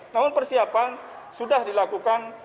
namun persiapan sudah dilakukan